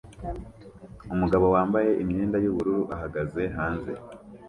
Umugabo wambaye imyenda yubururu ahagaze hanze